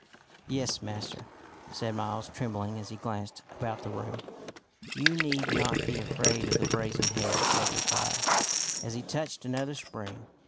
" Yes, master," said Miles, trembling as he glanced about the room. " You need not be afraid of the brazen head," said the friar, as he touched another spring.